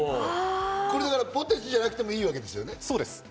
これポテチじゃなくてもいいわけですね。